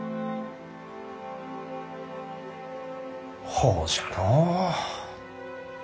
ほうじゃのう。